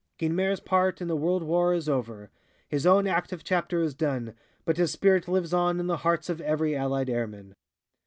Guynemer's part in the World War is over. His own active chapter is done, but his spirit lives on in the hearts of every allied airman.